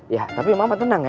ya tapi mama tenang ya